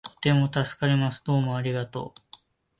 とても助かります。どうもありがとう